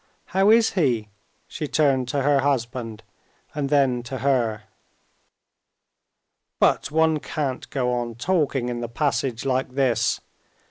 how is he?" she turned to her husband and then to her. "But one can't go on talking in the passage like this!"